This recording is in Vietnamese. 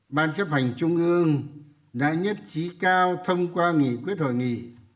ban chấp hành trung ương đã nhất trí cao thông qua nghị quyết hội nghị